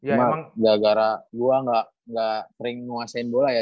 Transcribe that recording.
emang ya gara gue gak sering nguasain bola ya